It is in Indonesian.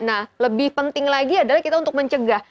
nah lebih penting lagi adalah kita untuk mencegah